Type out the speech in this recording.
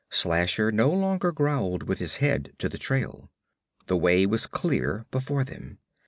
Slasher no longer growled with his head to the trail. The way was clear before them.